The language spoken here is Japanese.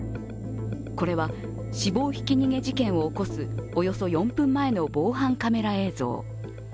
これは死亡ひき逃げ事件を起こすおよそ４分前の防犯カメラ映像。